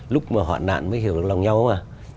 lúc mà họ nạn mới hiểu lòng nhau không à